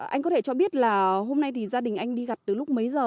anh có thể cho biết là hôm nay thì gia đình anh đi gặt từ lúc mấy giờ